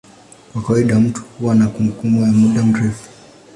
Kwa kawaida watu huwa na kumbukumbu ya muda mrefu.